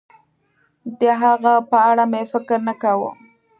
د هغې په اړه مې فکر نه کاوه.